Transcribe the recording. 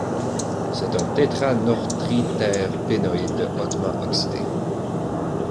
C'est un tétranortriterpénoïde hautement oxydé.